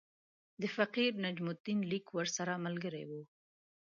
د فقیر نجم الدین لیک ورسره ملګری وو.